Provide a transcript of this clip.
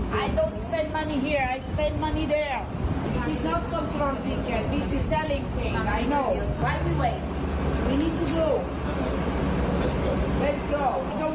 นี่ไม่ใช่เงินนี่เป็นเงินที่ส่งเราต้องไป